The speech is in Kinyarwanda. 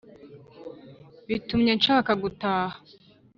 bitumye nshaka gutaha